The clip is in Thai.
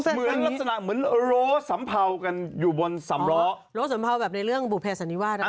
เหมือนลักษณะเหมือนโรสัมเภากันอยู่บนสำล้อโล้สัมเภาแบบในเรื่องบุภเสันนิวาสนะคะ